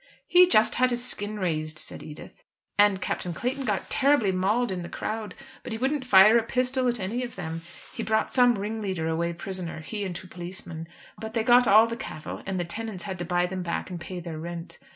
"He just had his skin raised," said Edith. "And Captain Clayton got terribly mauled in the crowd. But he wouldn't fire a pistol at any of them. He brought some ringleader away prisoner, he and two policemen. But they got all the cattle, and the tenants had to buy them back and pay their rent.